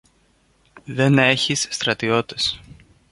Δεν έχεις στρατιώτες.